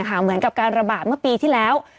เหมือนกับการระบาดเมื่อปีที่แล้ว